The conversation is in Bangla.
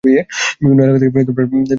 বিভিন্ন এলাকা থেকে ডাক আসতে শুরু করে তাঁর।